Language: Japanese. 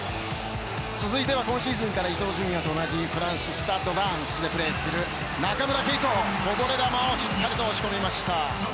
続いては今シーズンから伊東純也と同じフランススタッド・ランスでプレーする中村敬斗が、こぼれ球をしっかり押し込みました。